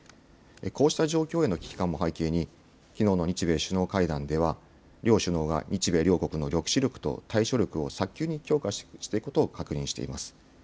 こうした状況への危機感も背景に、きのうの日米首脳会談では、両首脳が日米両国の抑止力と対処力を早急に強化していくことを確認しています。